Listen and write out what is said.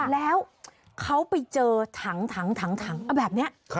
แล้วเขาไปเจอถังแบบนี้